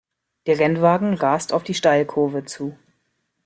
Der Rennwagen rast auf die Steilkurve zu.